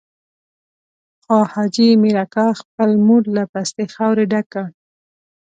خو حاجي مير اکا خپل موټ له پستې خاورې ډک کړ.